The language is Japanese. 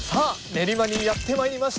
練馬にやってまいりました。